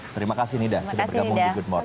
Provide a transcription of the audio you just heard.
terima kasih nida sudah bergabung di good morni